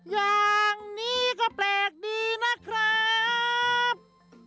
อย่างนี้ก็แปลกดีนะครับ